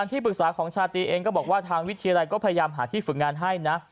ที่ปรึกษาของชาตรีเองก็บอกว่าทางวิทยาลัยก็พยายามหาที่ฝึกงานให้นะ